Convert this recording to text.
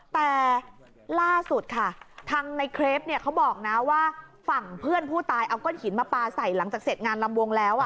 แต่ล่าสุดค่ะทางในเครปเนี่ยเขาบอกนะว่าฝั่งเพื่อนผู้ตายเอาก้อนหินมาปลาใส่หลังจากเสร็จงานลำวงแล้ว